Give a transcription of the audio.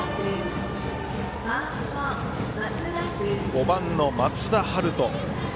５番の松田陽斗。